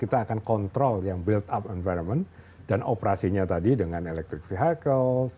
kita akan kontrol yang build up environment dan operasinya tadi dengan electric vehicles